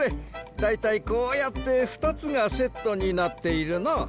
だいたいこうやって２つがセットになっているな。